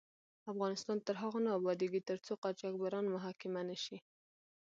افغانستان تر هغو نه ابادیږي، ترڅو قاچاقبران محاکمه نشي.